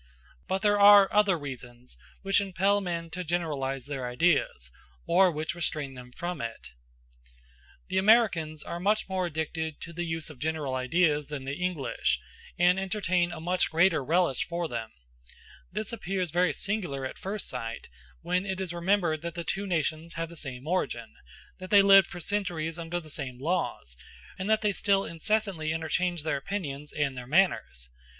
But there are other reasons which impel men to generalize their ideas, or which restrain them from it. The Americans are much more addicted to the use of general ideas than the English, and entertain a much greater relish for them: this appears very singular at first sight, when it is remembered that the two nations have the same origin, that they lived for centuries under the same laws, and that they still incessantly interchange their opinions and their manners.